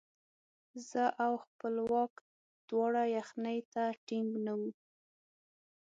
زه او خپلواک دواړه یخنۍ ته ټینګ نه وو.